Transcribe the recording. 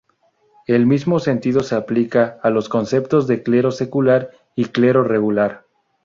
El mismo sentido se aplica a los conceptos de clero secular y clero regular.